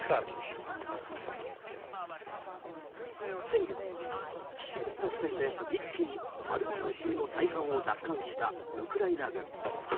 先月、奇襲作戦で一気にハルキウ州の大半を奪還したウクライナ軍。